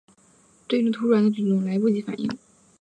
对这突然的举动来不及反应